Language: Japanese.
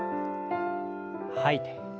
吐いて。